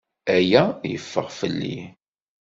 Aya yeffeɣ fell-i.